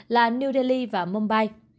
là new delhi và mumbai